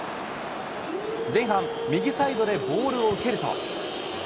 前半、右サイドでボールを受けると。